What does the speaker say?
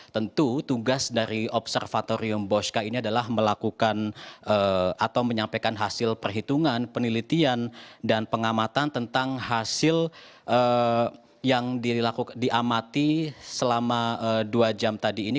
tentu tugas dari observatorium bosca ini adalah melakukan atau menyampaikan hasil perhitungan penelitian dan pengamatan tentang hasil yang diamati selama dua jam tadi ini